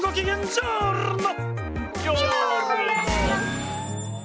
ジョールノ！